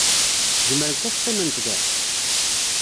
Zemrent ad qqiment da.